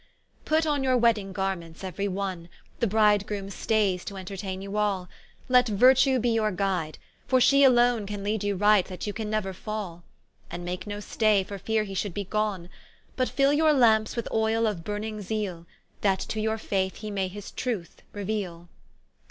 Put on your wedding garments euery one, The Bridegroome stayes to entertaine you all; Let Virtue be your guide, for she alone Can leade you right that you can neuer fall; And make no stay for feare he should be gone: But fill your Lamps with oyle of burning zeale, That to your Faith he may his Truth reueale.